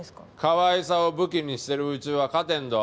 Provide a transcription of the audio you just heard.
かわいさを武器にしてるうちは勝てんど。